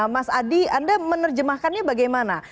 mas adi anda menerjemahkannya bagaimana